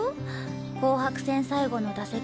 紅白戦最後の打席